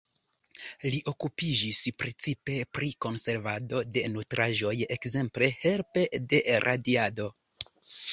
Li okupiĝis precipe pri konservado de nutraĵoj, ekzemple helpe de radiado.